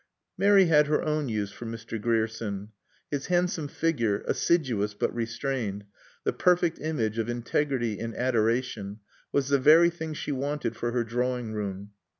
Mary had her own use for Mr. Grierson. His handsome figure, assiduous but restrained, the perfect image of integrity in adoration, was the very thing she wanted for her drawing room.